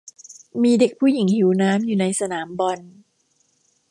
มีเด็กผู้หญิงหิวน้ำอยู่ในสนามบอล